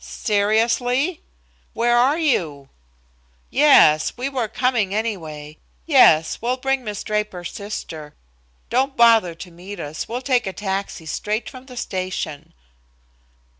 "Seriously? "Where are you? "Yes, we were coming, anyway. Yes, we'll bring Miss Draper's sister. Don't bother to meet us. We'll take a taxi straight from the station."